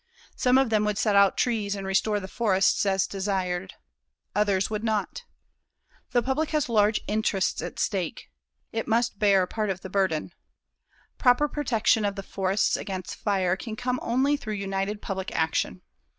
Some of them would set out trees and restore the forests as desired. Others would not. The public has large interests at stake. It must bear part of the burden. Proper protection of the forests against fire can come only through united public action.